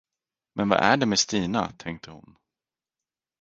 Men vad är det med Stina, tänkte hon.